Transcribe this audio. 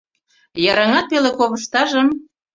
Йыраҥат пеле ковыштажым